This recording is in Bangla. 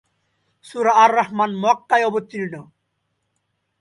সূরা আর-রাহমান মক্কায় অবতীর্ণ।